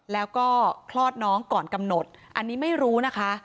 แล้วก็คลอดน้องก่อนกำหนดอันนี้ไม่รู้นะคะ